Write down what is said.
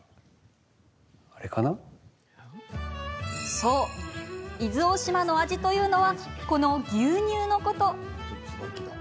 そう、伊豆大島の味というのはこの牛乳のこと。